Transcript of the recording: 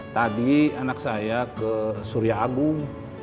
tadi anak saya ke surya agung